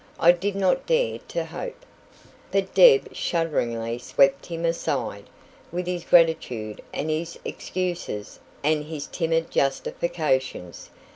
"I did not dare to hope " But Deb shudderingly swept him aside, with his gratitude and his excuses and his timid justifications.